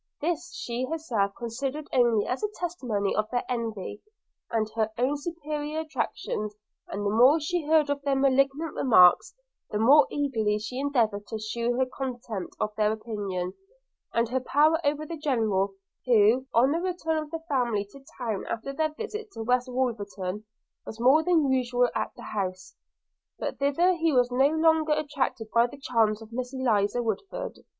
This she herself considered only as a testimony of their envy, and her own superior attractions; and the more she heard of their malignant remarks, the more eagerly she endeavoured to shew her comtempt of their opinion, and her power over the General, who, on the return of the family to town after their visit to West Wolverton, was more than usual at the house. But thither he was no longer attracted by the charms of Miss Eliza Woodford.